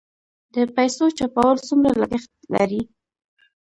د پیسو چاپول څومره لګښت لري؟